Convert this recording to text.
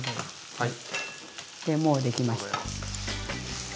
はい。